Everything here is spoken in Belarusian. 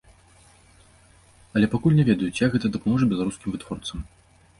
Але пакуль не ведаюць, як гэта дапаможа беларускім вытворцам.